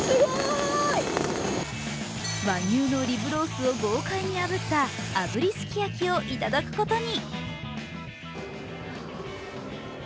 和牛のリブロースを豪快に炙った炙りすき焼きをいただくことに。